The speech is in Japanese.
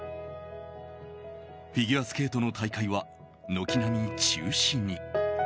フィギュアスケートの大会は軒並み中止に。